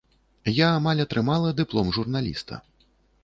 Я амаль атрымала дыплом журналіста.